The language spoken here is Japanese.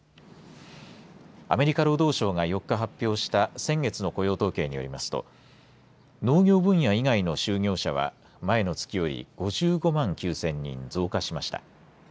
アメリカ労働省が４日発表した先月の雇用統計によりますと農業分野以外の就業者は前の月より５５万９０００人増加しました。